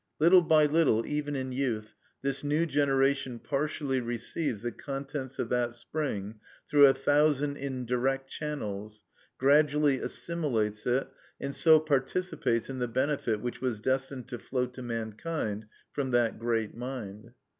Little by little, even in youth, this new generation partially receives the contents of that spring through a thousand indirect channels, gradually assimilates it, and so participates in the benefit which was destined to flow to mankind from that great mind.